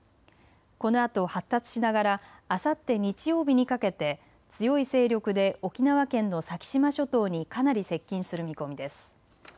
このあと発達しながらあさって日曜日にかけて強い勢力で沖縄県の先島諸島にかなり接近する見込みです。